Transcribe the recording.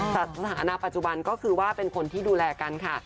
สถานะปัจจุบันก็คือว่าเป็นคนที่ดูแลกันค่ะ